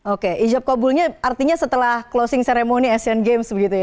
oke ijab kabulnya artinya setelah closing ceremony asian games begitu ya